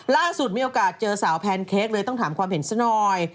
ล่าสุดมีโอกาสเจอสาวแพนเค้กเลยต้องถามความเห็นซะหน่อย